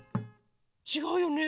ちがうよね。